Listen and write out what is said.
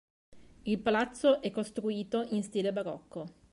Il palazzo è costruito in stile barocco.